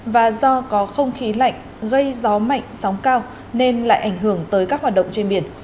và do có không khí lạnh gây gió mạnh sóng cao nên lại ảnh hưởng tới các hoạt động trên biển